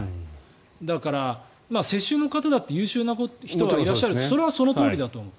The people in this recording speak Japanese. だから、世襲の方だって優秀な人はいらっしゃるそれはそのとおりだと思う。